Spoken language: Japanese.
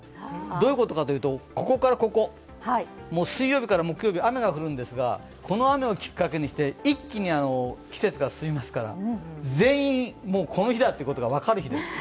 どういうことかというと、ここからここ、水曜日から木曜日、雨が降るんですが、この雨をきっかけにして、一気に季節が進みますから全員、この日だということが分かる日です。